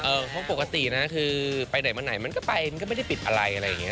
เพราะปกตินะคือไปไหนมาไหนมันก็ไปมันก็ไม่ได้ปิดอะไรอะไรอย่างนี้